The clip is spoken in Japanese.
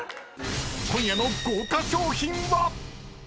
［今夜の豪華賞品は⁉］